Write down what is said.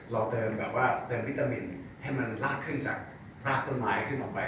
เราเติมวิตามินให้มันลากขึ้นจากลากตัวไม้ขึ้นออกไป